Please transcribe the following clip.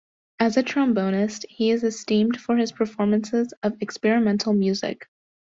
As a trombonist, he is esteemed for his performances of experimental music.